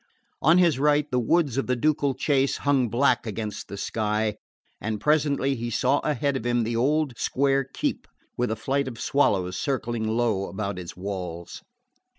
On his right the woods of the ducal chase hung black against the sky; and presently he saw ahead of him the old square keep, with a flight of swallows circling low about its walls.